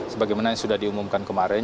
sebagaimana yang sudah diumumkan kemarin